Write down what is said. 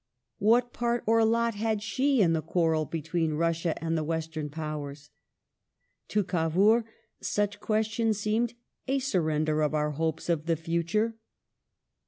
What part or lot had she in the quan el be tween Russia and the Western Powei s ? To Cavour such questions seemed " a surrender of our hopes of the future